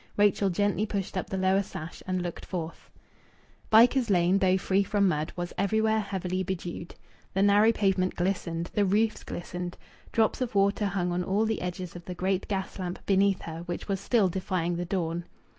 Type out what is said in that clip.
Rachel gently pushed up the lower sash and looked forth. Bycars Lane, though free from mud, was everywhere heavily bedewed. The narrow pavement glistened. The roofs glistened. Drops of water hung on all the edges of the great gas lamp beneath her, which was still defying the dawn.